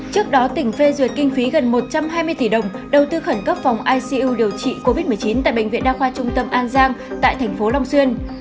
trước đó tỉnh phê duyệt kinh phí gần một trăm hai mươi tỷ đồng đầu tư khẩn cấp phòng icu điều trị covid một mươi chín tại bệnh viện đa khoa trung tâm an giang tại thành phố long xuyên